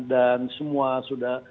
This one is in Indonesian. dan semua sudah